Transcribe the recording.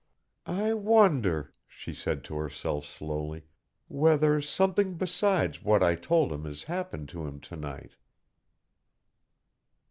"I wonder," she said to herself slowly, "whether something besides what I told him has happened to him to night?"